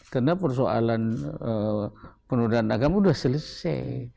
karena persoalan penundaan agama sudah selesai